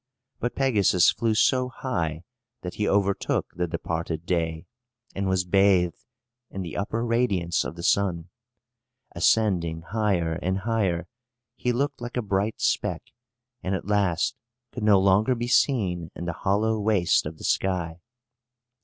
But Pegasus flew so high that he overtook the departed day, and was bathed in the upper radiance of the sun. Ascending higher and higher, he looked like a bright speck, and, at last, could no longer be seen in the hollow waste of the sky.